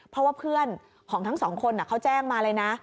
เพราะว่าเพื่อนของทั้งสองคนเขาแจ้งมาเลยนะ